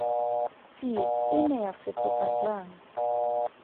Tsie e ne ya fetoga jang?